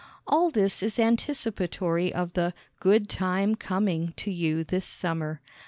All this is anticipatory of the "good time coming" to you this summer.